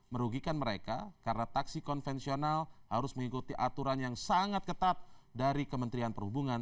merugikan mereka karena taksi konvensional harus mengikuti aturan yang sangat ketat dari kementerian perhubungan